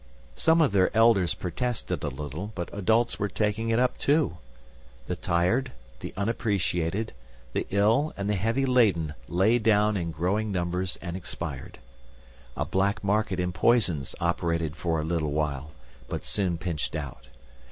Some of their elders protested a little, but adults were taking it up too. The tired, the unappreciated, the ill and the heavy laden lay down in growing numbers and expired. A black market in poisons operated for a little while, but soon pinched out.